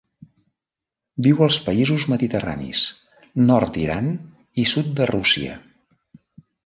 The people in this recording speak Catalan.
Viu als països mediterranis, nord d'Iran i sud de Rússia.